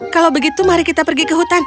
kalau begitu mari kita pergi ke hutan